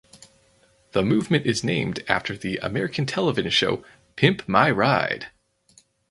The movement is named after the American television show "Pimp My Ride".